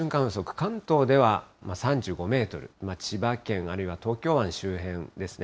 関東では３５メートル、千葉県、あるいは東京湾周辺ですね。